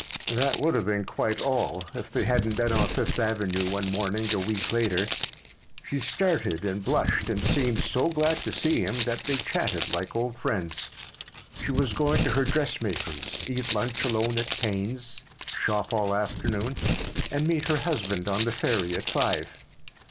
That would have been quite all if they hadn't met on Fifth Avenue one morning a week later. She started and blushed and seemed so glad to see him that they chatted like old friends. She was going to her dressmaker's, eat lunch alone at Taine's, shop all afternoon, and meet her husband on the ferry at five.